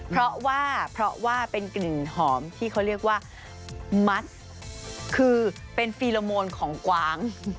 เพราะว่าเป็นกลิ่นหอมที่เค้าเรียกว่า